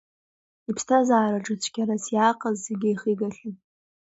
Иԥсҭазаараҿы цәгьарас иааҟаз зегьы ихигахьан.